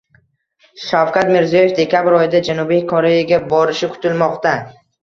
Shavkat Mirziyoyev dekabr oyida Janubiy Koreyaga borishi kutilmoqda